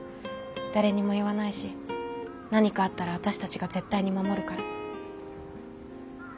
誰にも言わないし何かあったら私たちが絶対に守るから。